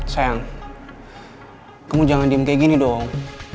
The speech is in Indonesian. sayang kamu jangan diem kayak gini dong